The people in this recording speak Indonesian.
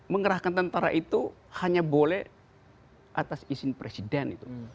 mengerahkan tentara itu hanya boleh atas izin presiden itu